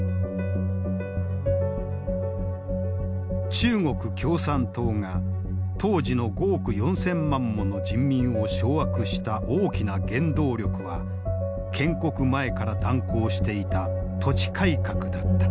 中国共産党が当時の５億４，０００万もの人民を掌握した大きな原動力は建国前から断行していた土地改革だった。